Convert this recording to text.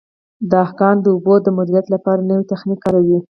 دهقان د اوبو د مدیریت لپاره نوی تخنیک کاروي.